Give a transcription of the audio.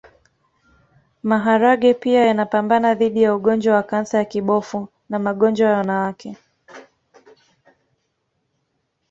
Maharage pia yanapambana dhidi ya ugonjwa wa kansa ya kibofu na magonjwa ya wanawake